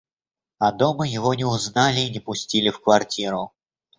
А дома его не узнали и не пустили в квартиру.